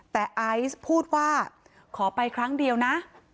แต่ไอซ์พูดว่าขอไปครั้งเดียวนะ